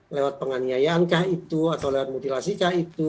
lewat penganiayaan kah itu atau lewat mutilasi kah itu